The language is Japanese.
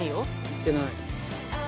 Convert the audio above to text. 行ってない。